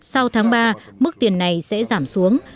sau tháng ba mức tiền này sẽ giảm xuống